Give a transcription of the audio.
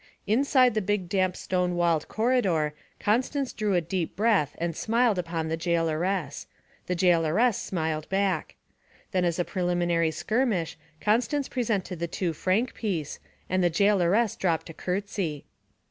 Inside the big damp stone walled corridor Constance drew a deep breath and smiled upon the jailoress; the jailoress smiled back. Then as a preliminary skirmish, Constance presented the two franc piece; and the jailoress dropped a curtsy.